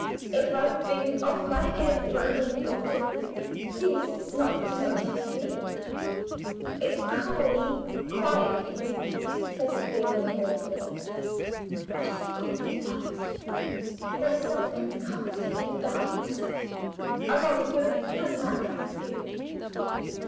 If I've been off my head for a minute or two, please not to notice me. It's cool and quiet here," the poor woman said gratefully. "Bless God for the darkness; there's something comforting in the darkness along with a good man like you.